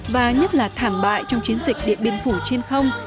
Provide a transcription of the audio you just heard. và nhất là thảm bại trong chiến dịch điện biên phủ trên không